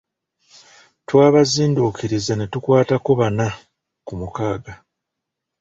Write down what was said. Twabazinduukirizza netukwatako bana ku mukaaga.